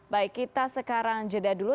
baik kita sekarang jeda dulu